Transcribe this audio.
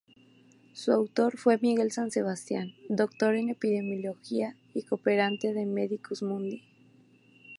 Su autor fue Miguel San Sebastián, doctor en epidemiología y cooperante de Medicus Mundi.